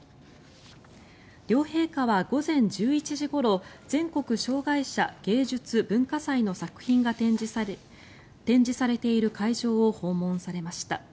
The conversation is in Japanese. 両陛下は午前１１時ごろ全国障害者芸術・文化祭の作品が展示されている会場を訪問されました。